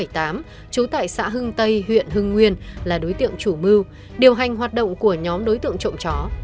trú tại xã hưng tây huyện hưng nguyên là đối tượng chủ mưu điều hành hoạt động của nhóm đối tượng trộm chó